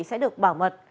sẽ được bảo mật